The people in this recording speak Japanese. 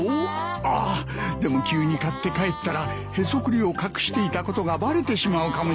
ああっでも急に買って帰ったらへそくりを隠していたことがバレてしまうかもしれんなあ。